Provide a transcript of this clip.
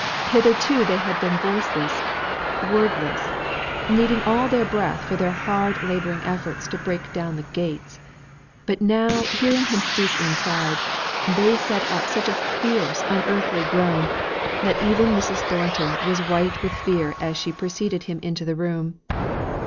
Hitherto they had been voiceless, wordless, needing all their breath for their hard laboured efforts to break down the gates. But now, hearing him speak inside, they set up such a fierce, unearthly groan, that even Mrs. Thornton was white with fear as she preceded him into the room.